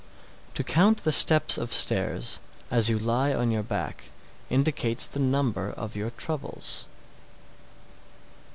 670. To count the steps of stairs, as you lie on your back, indicates the number of your troubles.